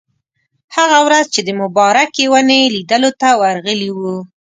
هغه ورځ چې د مبارکې ونې لیدلو ته ورغلي وو.